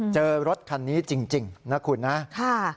เจอรถคันนี้จริงนะคุณนะ